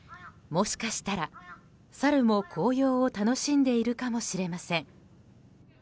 もしかしたらサルも紅葉を楽しんでいるかもしれません。